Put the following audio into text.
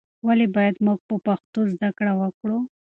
ولې باید موږ په پښتو زده کړه وکړو؟